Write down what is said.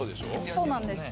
そうなんです。